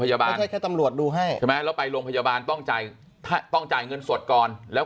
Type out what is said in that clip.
พยาบาลดูให้แล้วไปโรงพยาบาลต้องจ่ายต้องจ่ายเงินสดก่อนแล้ว